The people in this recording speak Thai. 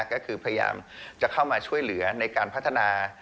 ก็คือพยายามจะเข้ามาช่วยเหลือในการพัฒนา